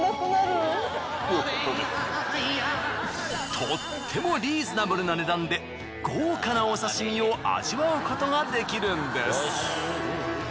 とってもリーズナブルな値段で豪華なお刺身を味わうことができるんです。